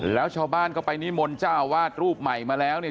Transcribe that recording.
แล้วชาวบ้านก็ไปนิมนต์เจ้าวาดรูปใหม่มาแล้วเนี่ย